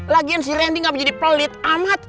lagian si randy nggak bisa jadi pelit amat